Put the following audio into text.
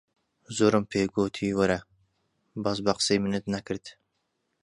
زۆرم پێ گۆتی وەرە، بەس بە قسەی منت نەکرد.